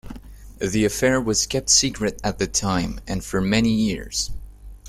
The affair was kept secret at the time and for many years.